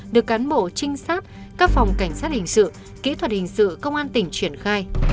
được cán bộ trinh sát các phòng cảnh sát hình sự kỹ thuật hình sự công an tỉnh triển khai